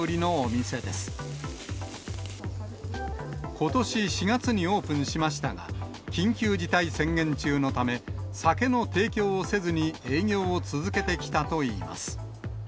ことし４月にオープンしましたが、緊急事態宣言中のため、酒の提供をせずに営業を続けてきたといいます。